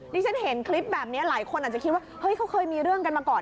ที่ฉันเห็นคลิปแบบนี้หลายคนอาจจะคิดว่าเฮ้ยเขาเคยมีเรื่องกันมาก่อน